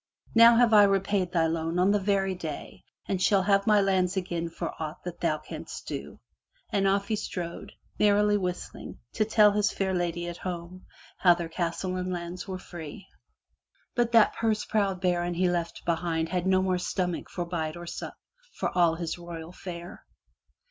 Now have I repaid thy loan on the very day and shall have my lands again for aught that thou canst do!" And off he strode, merrily whistling, to tell his fair lady at home how their castle and lands were free. But that purse proud baron he left behind had no more stomach for bite or sup, for all his royal fare.